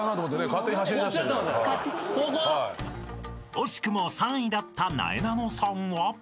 ［惜しくも３位だったなえなのさんは］